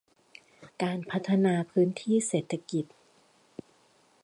การพัฒนาพื้นที่เศรษฐกิจ